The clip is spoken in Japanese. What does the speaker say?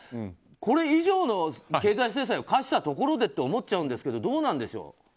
これ以上の経済制裁を科したところでと思っちゃうんですけどどうなんでしょう？